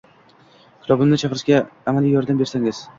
Kitobimni chiqarishda amaliy yordam bersangiz?